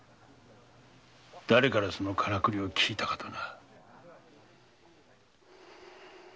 誰からそのカラクリを聞いたかとな。